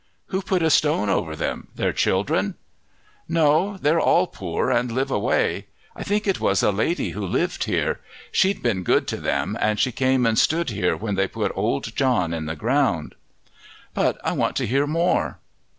"Who put a stone over them their children?" "No, they're all poor and live away. I think it was a lady who lived here; she'd been good to them, and she came and stood here when they put old John in the ground." "But I want to hear more."